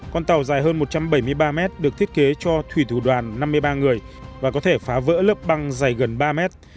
con tàu dài hơn một trăm bảy mươi ba mét được thiết kế cho thủy thủ đoàn năm mươi ba người và có thể phá vỡ lớp băng dài gần ba mét